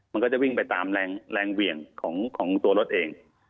มันก็จะวิ่งไปตามแรงเหวี่ยงของตัวรถเอง